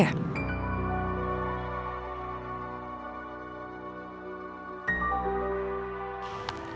gak ada siapa siapa